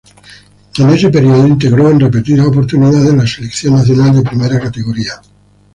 En ese periodo integró en repetidas oportunidades la Selección Nacional de Primera Categoría.